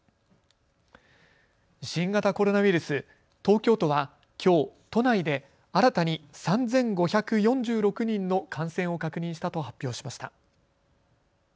新型コロナウイルス、東京都はきょう都内で新たに３５４６人の感染を確認したと発表しました。